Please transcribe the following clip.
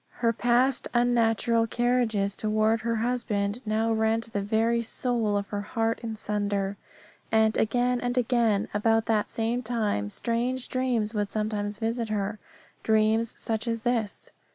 Her past unnatural carriages toward her husband now rent the very caul of her heart in sunder. And, again and again, about that same time strange dreams would sometimes visit her. Dreams such as this.